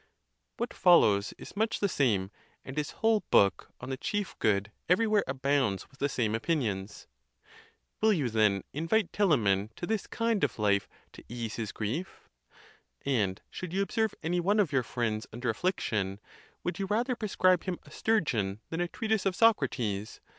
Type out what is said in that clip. What fol lows is much the same, and his whole book on the chief good everywhere abounds with the same opinions. Will you, then, invite Telamon to this kind of life to ease his grief? And should you observe any one of your friends under affliction, would you rather prescribe him a stur geon than a treatise of Socrates?